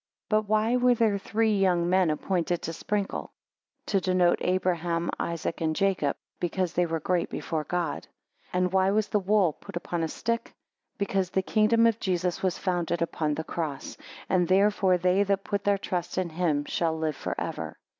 6 But why were there three young men appointed to sprinkle? To denote Abraham, and Isaac, and Jacob, because they were great before God. 7 And why was the wool put upon a stick? Because the kingdom of Jesus was founded upon the cross; and therefore they that put their trust in him, shall live for ever.